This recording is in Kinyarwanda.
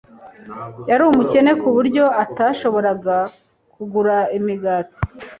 Yari umukene ku buryo atashoboraga kugura imigati.